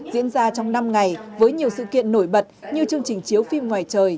diễn ra trong năm ngày với nhiều sự kiện nổi bật như chương trình chiếu phim ngoài trời